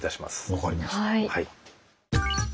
分かりました。